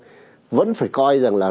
chúng ta vẫn phải coi rằng là